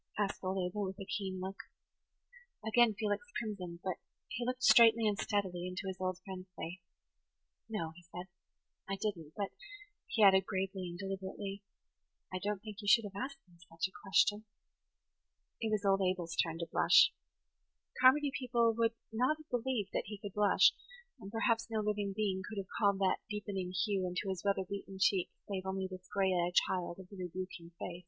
asked old Abel, with a keen look. Again Felix crimsoned; but he looked straightly and steadily into his old friend's face. "No," he said, "I didn't; but," he added, gravely and deliberately, "I don't think you should have asked me such a question." It was old Abel's turn to blush. Carmody people would not have believed he could blush; and perhaps no living being could have called that deep [Page 84] ening hue into his weather beaten cheek save only this gray eyed child of the rebuking face.